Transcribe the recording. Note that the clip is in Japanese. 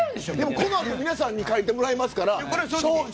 このあと、皆さんに書いてもらいますから。